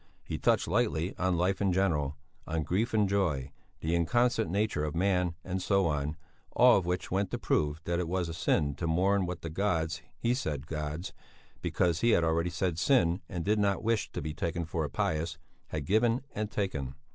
He touched lightly on life in general, on grief and joy, the inconstant nature of man, and so on, all of which went to prove that it was a sin to mourn what the gods he said gods, because he had already said sin and did not wish to be taken for a pietist had given and taken.